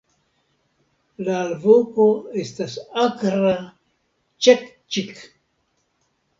La alvoko estas akra "ĉek-ĉik".